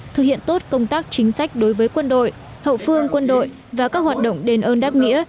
thực hiện tốt công tác chính sách đối với quân đội hậu phương quân đội và các hoạt động đền ơn đáp nghĩa